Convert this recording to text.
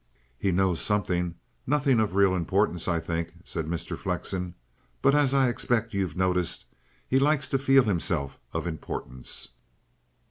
"He knows something nothing of real importance, I think," said Mr. Flexen. "But, as I expect you've noticed, he likes to feel himself of importance.